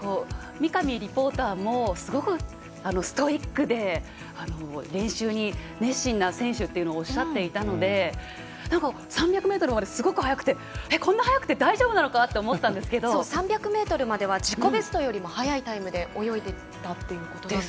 三上リポーターもすごくストイックで練習に熱心な選手とおっしゃっていたので３００ｍまですごく速くてこんな速くて大丈夫なのかなって３００ｍまでは自己ベストよりも速いタイムで泳いでいたということなんです。